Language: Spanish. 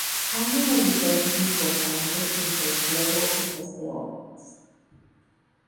Hay una diferencia importante entre el clero y los teólogos.